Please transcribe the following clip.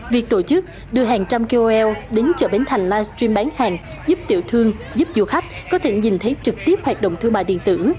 việc tổ chức đưa hàng trăm kol đến chợ bến thành livestream bán hàng giúp tiểu thương giúp du khách có thể nhìn thấy trực tiếp hoạt động thương mại điện tử